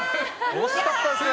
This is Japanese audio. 惜しかったですね。